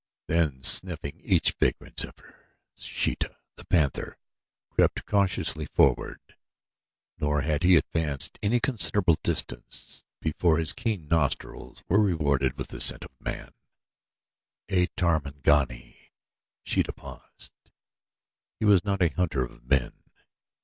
Then, sniffing each vagrant zephyr, Sheeta, the panther, crept cautiously forward, nor had he advanced any considerable distance before his keen nostrils were rewarded with the scent of man a Tarmangani. Sheeta paused. He was not a hunter of men.